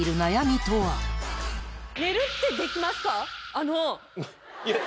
あの。